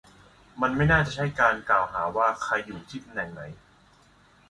มันไม่น่าจะใช่การกล่าวหาว่า ใครอยู่ที่ตำแหน่งไหน